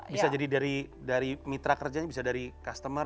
bisa jadi dari mitra kerjanya bisa dari customer